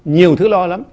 nhiều thứ lo lắm